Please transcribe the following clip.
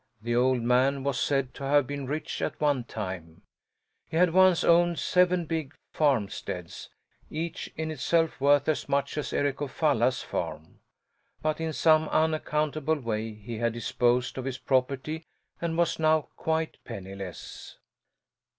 The old man was said to have been rich at one time; he had once owned seven big farmsteads, each in itself worth as much as Eric of Falla's farm. But in some unaccountable way he had disposed of his property and was now quite penniless.